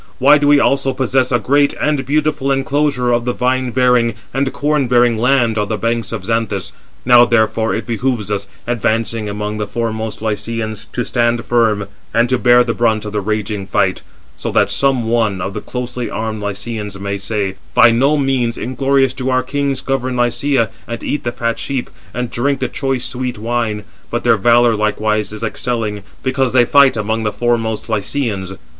Why do we also possess a great and beautiful enclosure of the vine bearing and corn bearing land on the banks of Xanthus? Now, therefore, it behoves us, advancing among the foremost Lycians, to stand firm, and to bear the brunt of the raging fight; so that some one of the closely armed Lycians may say, 'By no means inglorious do our kings govern Lycia, and eat the fat sheep, and [drink] 405 the choice sweet wine; but their valour likewise is excelling, because they fight among the foremost Lycians.